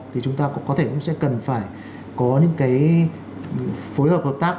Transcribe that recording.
thì chúng ta cũng có thể cũng sẽ cần phải có những cái phối hợp hợp tác